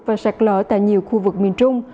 và sạc lở tại nhiều khu vực miền trung